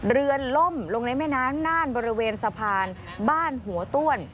ล่มลงในแม่น้ำน่านบริเวณสะพานบ้านหัวต้วน